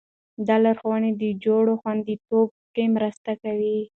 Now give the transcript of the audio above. دا لارښوونې د خوړو خوندیتوب کې مرسته کوي.